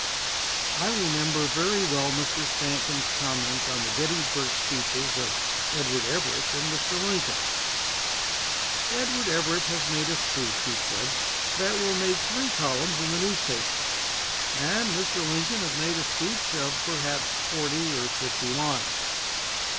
I remember very well Mr. Stanton's comment on the Gettysburg speeches of Edward Everett and Mr. Lincoln. "Edward Everett has made a speech," he said, "that will make three columns in the newspapers, and Mr. Lincoln has made a speech of perhaps forty or fifty lines.